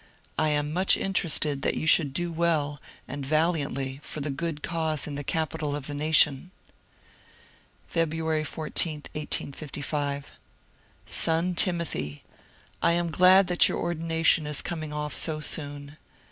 I am much interested that you should do well and valiantly for the good cause in the capital of the nation. Feb. 14, 1855. — Son Timothy, — I am glad that your or dination is coming off so soon.